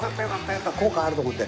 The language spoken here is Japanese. やっぱ効果あると思って。